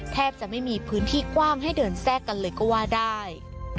แทบจะไม่มีพื้นที่กว้างให้เดินแทรกกันเลยก็ว่าได้